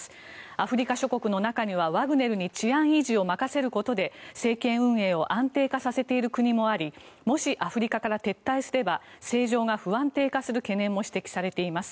アフリカ諸国の中にはワグネルに治安維持を任せることで政権運営を安定化させている国もありもしアフリカから撤退すれば政情が不安定化する懸念も指摘されています。